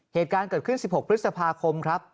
เหตุการณ์เกิดขึ้น๑๖พฤษภาคมครับ